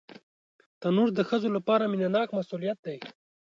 تنور د ښځو لپاره مینهناک مسؤلیت دی